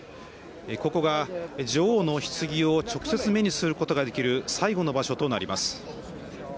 ここが女王のひつぎを直接目にすることができる最後の場所となります。